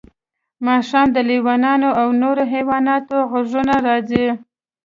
ماښام د لیوانو او نورو حیواناتو غږونه راځي